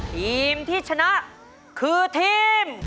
ทีมที่ชนะคือทีม